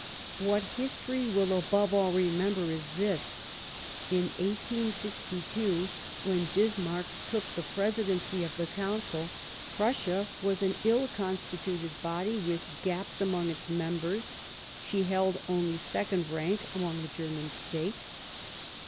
What history will, above all, remember is this : in 1862, when Bismarck took the Presidency of the Council, Prussia was an ill constituted body, with gaps among its members ; she held only second rank among the German States.